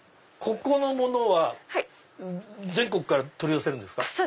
ここの物は全国から取り寄せるんですか？